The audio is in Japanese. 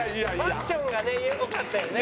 ファッションがね良かったよね。